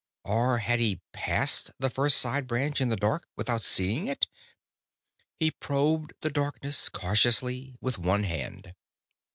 Or had he passed the first side branch in the dark without seeing it? He probed the darkness cautiously with one hand.